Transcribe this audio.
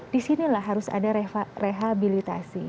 di sinilah harus ada rehabilitasi